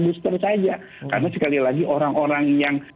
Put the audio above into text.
booster saja karena sekali lagi orang orang yang